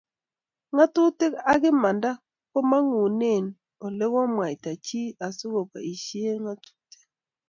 Ngatutik ak imanda ko mangune ole kokimwaita chii sikeboishe ngatutik